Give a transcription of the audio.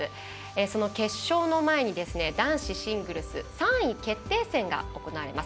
その決勝の前に男子シングルス３位決定戦が行われます。